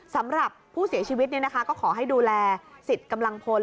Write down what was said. สำหรับผู้เสียชีวิตก็ขอให้ดูแลสิทธิ์กำลังพล